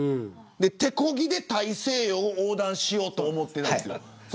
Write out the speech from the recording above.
手こぎで大西洋を横断しようと思っているんですか。